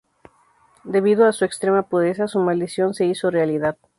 Debido a su extrema pureza, su maldición se hizo realidad.